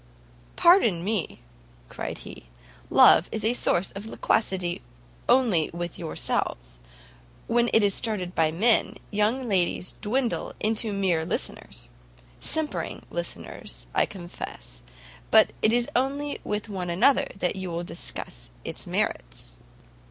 "Pardon me," cried he; "love is a source of loquacity only with yourselves: when it is started by men, young ladies dwindle into mere listeners. Simpering listeners, I confess; but it is only with one another that you will discuss its merits."